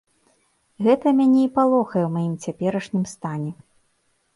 Гэта мяне і палохае ў маім цяперашнім стане.